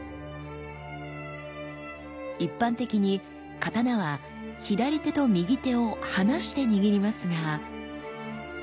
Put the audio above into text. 一般的に刀は左手と右手を離して握りますが。